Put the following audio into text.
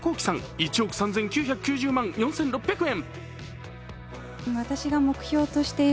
１億３９９０万４６００円。